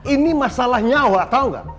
ini masalah nyawa tau gak